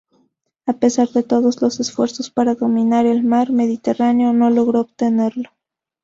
A pesar de todos los esfuerzos para dominar el mar Mediterráneo no logro obtenerlo.